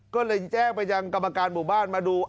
ก็เลยแจ้งไปจากกรรมการบุบันมาดู